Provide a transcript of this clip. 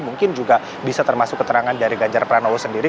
mungkin juga bisa termasuk keterangan dari ganjar pranowo sendiri